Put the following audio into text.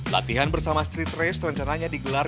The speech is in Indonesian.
latihan bersama street race rencananya digelar